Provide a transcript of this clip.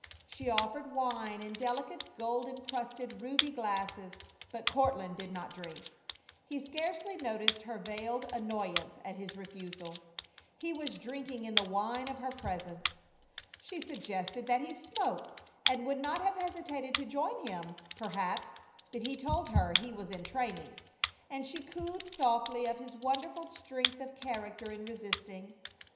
She offered wine in delicate gold incrusted ruby glasses, but Courtland did not drink. He scarcely noticed her veiled annoyance at his refusal. He was drinking in the wine of her presence. She suggested that he smoke, and would not have hesitated to join him, perhaps, but he told her he was in training, and she cooed softly of his wonderful strength of character in resisting.